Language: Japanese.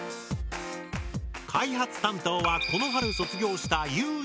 開発担当はこの春卒業したゆうや先輩。